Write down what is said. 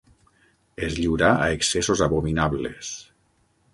Es lliurà a excessos abominables.